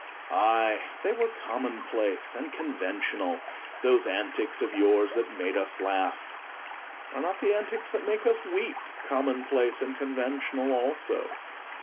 Aye, they were commonplace and conventional, those antics of yours that made us laugh; are not the antics that make us weep commonplace and conventional also?